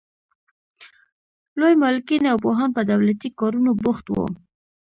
لوی مالکین او پوهان په دولتي کارونو بوخت وو.